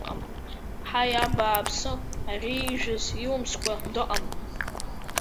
Ҳаи абааԥсы, ари иижәыз илымскәа дыҟам…